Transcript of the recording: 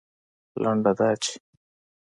لنډه دا چې